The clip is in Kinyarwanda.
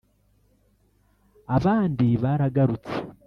abandi baragarutse